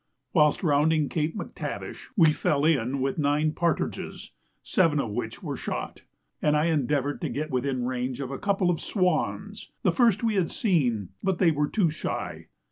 Whilst rounding Cape Mactavish we fell in with nine partridges, seven of which were shot, and I endeavoured to get within range of a couple of swans the first we had seen but they were too shy.